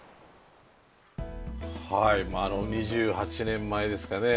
２８年前ですかね